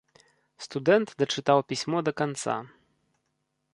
Студэнт дачытаў пісьмо да канца.